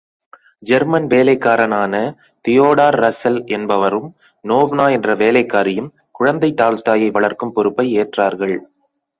German வேலைக்காரனான Theodore Russell என்பவரும், நோவ்னா என்ற வேலைக்காரியும் குழந்தை டால்ஸ்டாயை வளர்க்கும் பொறுப்பை ஏற்றார்கள்.